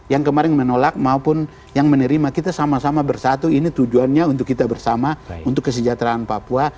yang kemarin menolak maupun yang menerima kita sama sama bersatu ini tujuannya untuk kita bersama untuk kesejahteraan papua